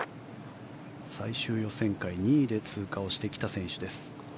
最終予選会２位で通過した選手です。